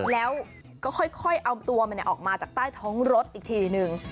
แล้วก็ค่อยเอาตัวมันออกมาจากใต้ท้องรถอีกทีนึง